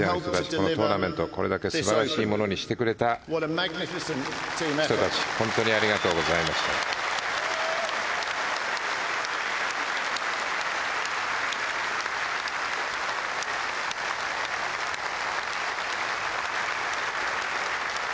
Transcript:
このトーナメントをこれだけ素晴らしいものにしてくれた人たち本当にありがとうございますと。